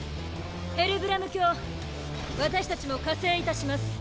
ヘルブラム卿私たちも加勢いたします。